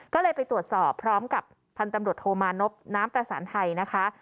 ก็เลยไปตรวจสอบพร้อมกับพันธุ์ตำรวจโทมานพน้ำประสานไทยนะคะ